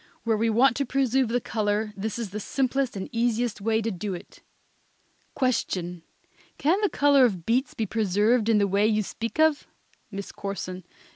Where we want to preserve the color this is the simplest and easiest way to do it. Question. Can the color of beets be preserved in the way you speak of? MISS CORSON.